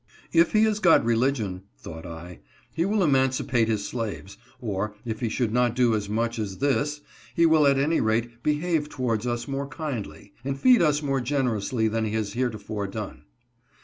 " If he has got religion," thought I, " he will emancipate his slaves ; or, if he should not do so much as this, he will at any rate behave towards us more kindly, and feed us more generously than he has heretofore done.".